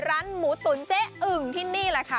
ร้านหมูตุ๋นเจ๊อึ่งที่นี่แหละค่ะ